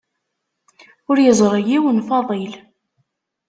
Ur yeẓri yiwen Faḍil.